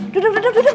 duduk duduk duduk